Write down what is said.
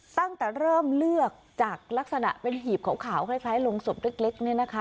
ตั้งแต่เริ่มเลือกจากลักษณะเป็นหีบขาวคล้ายลงศพเล็กเนี่ยนะคะ